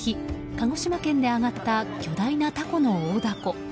鹿児島県で揚がった巨大なタコの大だこ。